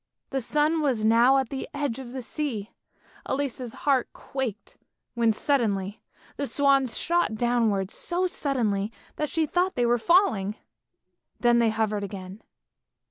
The sun was now at the edge of the sea. Elise's heart quaked, when suddenly the swans shot downwards so suddenly, that she thought they were falling, then they hovered again.